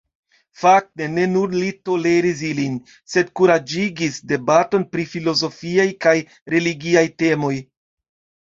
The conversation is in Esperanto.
Fakte, ne nur li toleris ilin, sed kuraĝigis debaton pri filozofiaj kaj religiaj temoj.